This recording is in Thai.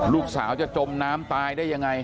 ลูกสาวจะจมน้ำตายได้ยังไง